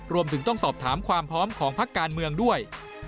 รวมถึงต้องสอบถามความพร้อมของพักการเมืองด้วย